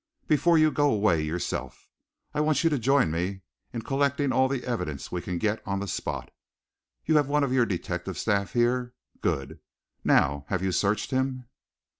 Before you go away yourself, I want you to join me in collecting all the evidence we can get on the spot. You have one of your detective staff here? good. Now, have you searched him?"